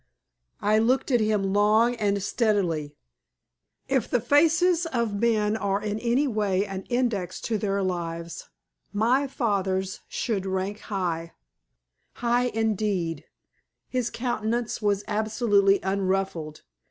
I looked at him long and steadily. If the faces of men are in any way an index to their lives, my father's should rank high high indeed. His countenance was absolutely unruffled.